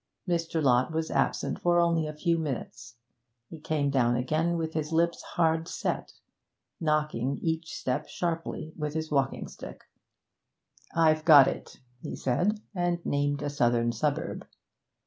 Mr. Lott was absent for only a few minutes. He came down again with his lips hard set, knocking each step sharply with his walking stick. 'I've got it,' he said, and named a southern suburb.